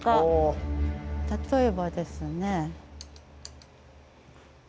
例えばですね。